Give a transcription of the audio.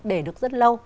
để được rất lâu